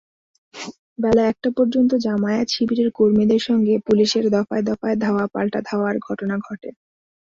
বেলা একটা পর্যন্ত জামায়াত-শিবিরের কর্মীদের সঙ্গে পুলিশের দফায় দফায় ধাওয়া-পাল্টাধাওয়ার ঘটনা ঘটে।